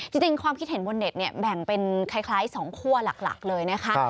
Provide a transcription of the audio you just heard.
จริงความคิดเห็นบนเน็ตเนี่ยแบ่งเป็นคล้าย๒คั่วหลักเลยนะคะ